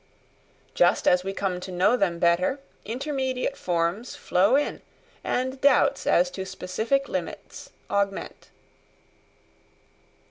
Just as we come to know them better, intermediate forms flow in, and doubts as to specific limits augment."